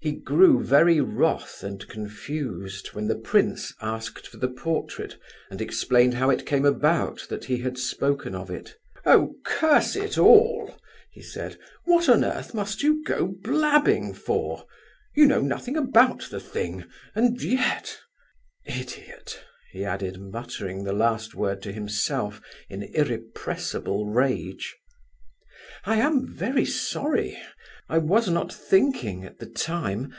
He grew very wroth and confused when the prince asked for the portrait, and explained how it came about that he had spoken of it. "Oh, curse it all," he said; "what on earth must you go blabbing for? You know nothing about the thing, and yet—idiot!" he added, muttering the last word to himself in irrepressible rage. "I am very sorry; I was not thinking at the time.